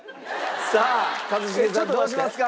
さあ一茂さんどうしますか？